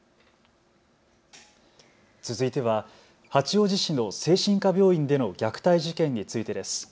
続いては八王子市の精神科病院での虐待事件についてです。